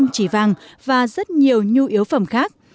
năm trăm chín mươi năm chỉ vàng và rất nhiều nhu yếu phẩm khác